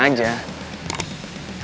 hal sepele kayak gitu sampai kayak gini